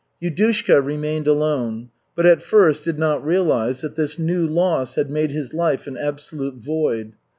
Yudushka remained alone, but at first did not realize that this new loss had made his life an absolute void.